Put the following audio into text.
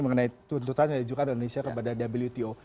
mengenai tuntutan yang dijuka dari indonesia kepada wto